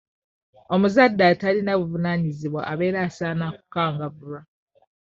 Omuzadde atalina buvunaanyizibwa abeera asaana kukangavvulwa.